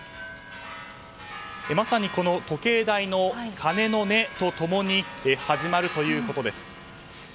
まさにこの時計台の鐘の音と共に始まるということです。